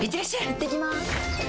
いってきます！